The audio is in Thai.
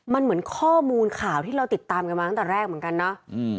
มันเหมือนข้อมูลข่าวที่เราติดตามกันมาตั้งแต่แรกเหมือนกันเนาะ